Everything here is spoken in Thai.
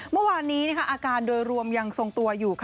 เมื่อวานนี้อาการโดยรวมยังทรงตัวอยู่